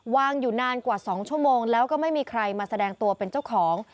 วางอยู่นานกว่า๒ชั่วโมงแล้วก็ไม่มีใครมาแสดงตัวเป็นเจ้าของ